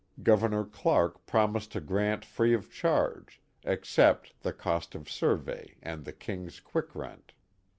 Governor Clark promised to grant free of charge, except the cost of survey and the King's quit rent.